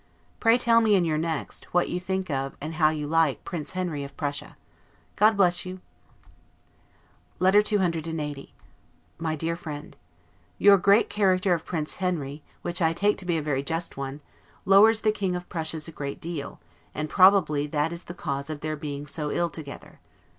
Pray tell me in your next, what you think of, and how you like, Prince Henry of Prussia. God bless you! LETTER CCLXXX MY DEAR FRIEND: Your great character of Prince Henry, which I take to be a very just one, lowers the King of Prussia's a great deal; and probably that is the cause of their being so ill together.